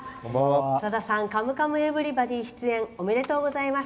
さださん「カムカムエヴリバディ」出演おめでとうございます。